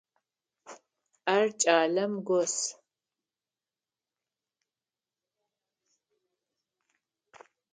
Ар кӏалэм гос.